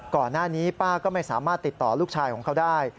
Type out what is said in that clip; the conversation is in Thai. ก่อนหน้านี้ป้าก็ไม่สามารถติดต่อลูกชายของเขาได้